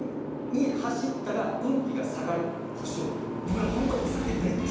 僕らホント。